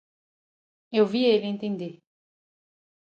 Eu vi ele entender.